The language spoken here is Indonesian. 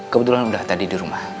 kebetulan udah tadi di rumah